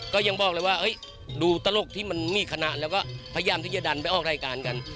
ก็ยังบอกเลยว่าดูตลกที่มันมีคณะแล้วก็พยายามที่จะดันไปออกรายการกัน